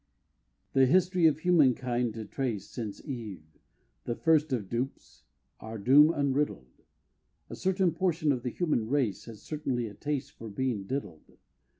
The history of human kind to trace, Since Eve the first of dupes our doom unriddled, A certain portion of the human race Has certainly a taste for being diddled.